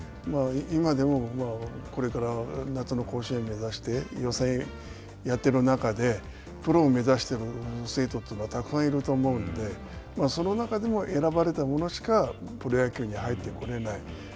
今でもこれから夏の甲子園を目指して予選やってる中で、プロを目指してる生徒というのはたくさんいると思うので、その中でも選ばれた者しかプロ野球に入ってこれない。